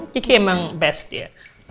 kiki emang best ya